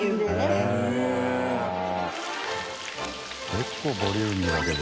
結構ボリューミーだけど。